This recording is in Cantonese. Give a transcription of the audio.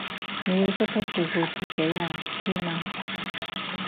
你要識得照顧自己啊，知嘛？